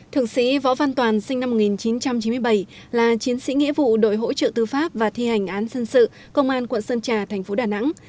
thượng sĩ võ văn toàn sinh năm một nghìn chín trăm chín mươi bảy là chiến sĩ nghĩa vụ đội hỗ trợ tư pháp và thi hành án dân sự công an quận sơn trà thành phố đà nẵng